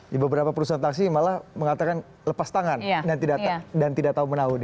di beberapa perusahaan taksi malah mengatakan lepas tangan dan tidak tahu menahu